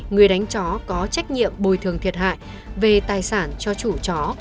người đánh chó có trách nhiệm bồi thường thiệt hại về tài sản cho chủ chó